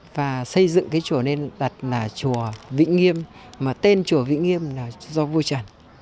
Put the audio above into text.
và xây dựng cái chùa nên đặt là chùa vĩnh nghiêm mà tên chùa vĩnh nghiêm là do vua trần